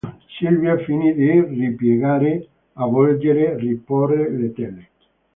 Silvia finì di ripiegare, avvolgere, riporre le tele.